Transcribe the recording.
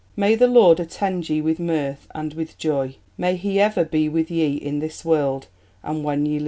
"May the Lord attend ye with mirth and with joy; may He ever be with ye in this world, and when ye leave it."